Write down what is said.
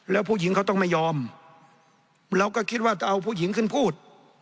แล้วผู้หญิงเขาต้องไม่ยอมเราก็คิดว่าจะเอาผู้หญิงขึ้นพูด